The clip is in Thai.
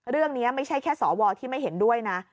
เรื่องนี้ไม่ใช่แค่สวที่ไม่เห็นด้วยนะ